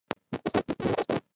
مختصر مکتوبونه واستول.